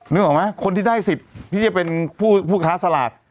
นึกออกไหมคนที่ได้สิทธิ์พี่จะเป็นผู้ค้าสลาก